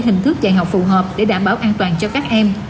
hình thức dạy học phù hợp để đảm bảo an toàn cho các em